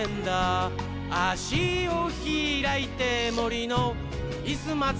「あしをひらいてもりのイスまつ」